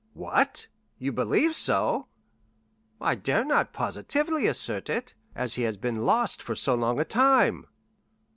"What? You believe so?" "I dare not positively assert it, as he has been lost for so long a time."